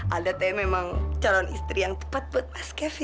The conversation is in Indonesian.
ada teh memang calon istri yang tepat buat mas kevin